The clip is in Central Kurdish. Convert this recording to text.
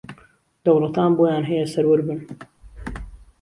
دەوڵەتان بۆیان ھەیە سەروەر بن